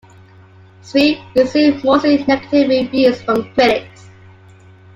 "Sphere" received mostly negative reviews from critics.